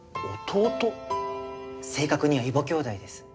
正確には異母兄弟です。